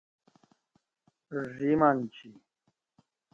ژ ی منچی